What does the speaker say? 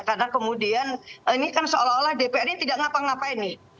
karena kemudian ini kan seolah olah dpr ini tidak ngapa ngapain nih